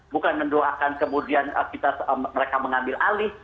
bukan mendoakan kemudian mereka mengambil alih